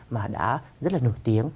mà đã rất là nổi tiếng